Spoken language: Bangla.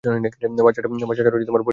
বাচ্চাটার পরিবার কোথায়?